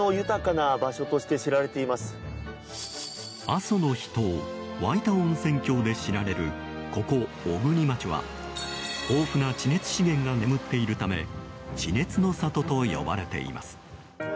阿蘇の秘湯わいた温泉郷で知られるここ、小国町は豊富な地熱資源が眠っているため地熱の里と呼ばれています。